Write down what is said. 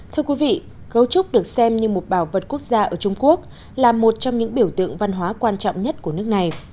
thưa quý vị cấu trúc được xem như một bảo vật quốc gia ở trung quốc là một trong những biểu tượng văn hóa quan trọng nhất của nước này